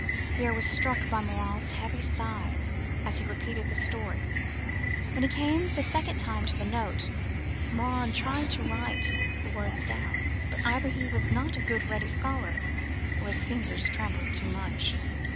Pierre was struck by Morin's heavy sighs as he repeated the story. When he came the second time to the note, Morin tried to write the words down; but either he was not a good, ready scholar, or his fingers trembled too much.